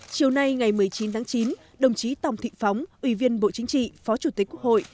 chiều nay ngày một mươi chín tháng chín đồng chí tòng thị phóng ủy viên bộ chính trị phó chủ tịch quốc hội